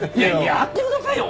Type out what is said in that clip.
やってくださいよ